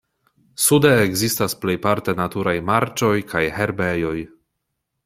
Sude ekzistas plejparte naturaj marĉoj kaj herbejoj.